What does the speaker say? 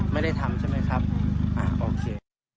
ไม่ได้ทำใช่มั้ยครับอ่ะโอเค